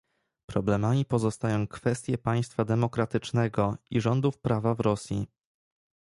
Problemami pozostają kwestie państwa demokratycznego i rządów prawa w Rosji